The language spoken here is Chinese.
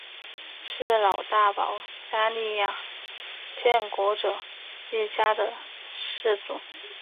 是老大保加利亚建国者一家的氏族。